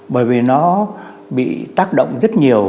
bởi vì nó bị tác động rất nhiều